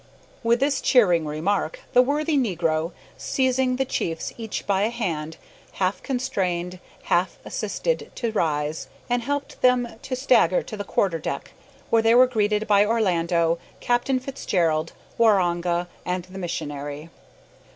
With this cheering remark the worthy negro, seizing the chiefs each by a hand, half constrained, half assisted them to rise, and helped them to stagger to the quarter deck, where they were greeted by Orlando, Captain Fitzgerald, Waroonga, and the missionary.